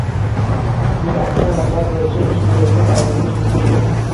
Siz aytgan vaziyat bo‘yicha ish beruvchi xodimga shunchaki